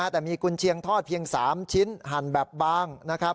แต่มีคุณเชียงทอดเพียง๓ชิ้นหั่นแบบบาง